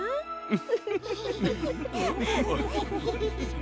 フフフ。